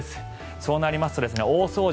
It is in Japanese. そうなりますと大掃除